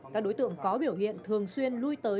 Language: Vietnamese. các đối tượng có biểu hiện thường xuyên